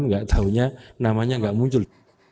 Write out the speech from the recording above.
enggak tahunya namanya enggak muncul